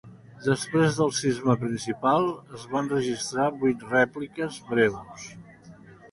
Després del sisme principal, es van registrar vuit rèpliques breus.